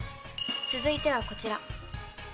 続いてはこちら。